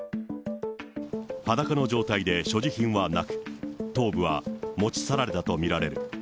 裸の状態で所持品はなく、頭部は持ち去られたと見られる。